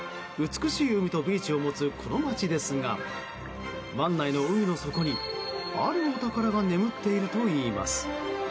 美しい海とビーチを持つこの町ですが湾内の海の底に、あるお宝が眠っているといいます。